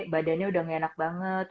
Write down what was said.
badannya udah gak enak banget